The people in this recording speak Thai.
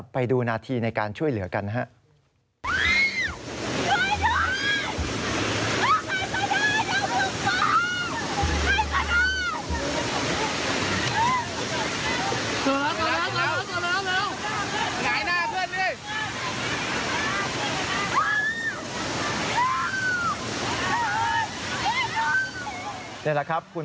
ไปดูนาทีในการช่วยเหลือกันนะครับ